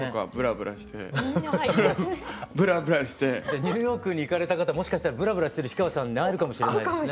ニューヨークに行かれた方もしかしたらブラブラしてる氷川さんに会えるかもしれないですね。